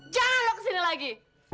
jangan lo kesini lagi